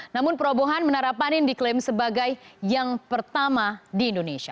namun perobohan menarapanin diklaim sebagai yang pertama di indonesia